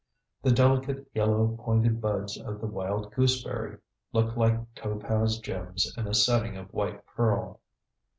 The delicate yellow pointed buds of the wild gooseberry look like topaz gems in a setting of white pearl.